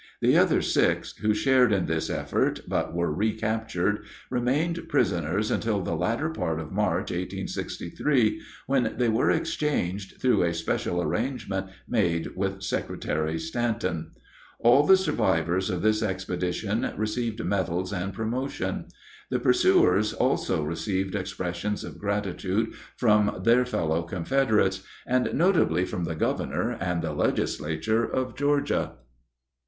The other six who shared in this effort, but were recaptured, remained prisoners until the latter part of March, 1863, when they were exchanged through a special arrangement made with Secretary Stanton. All the survivors of this expedition received medals and promotion. The pursuers also received expressions of gratitude from their fellow Confederates, notably from the governor and the legislature of Georgia.